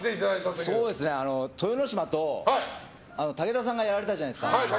豊ノ島と武田さんがやられたじゃないですか。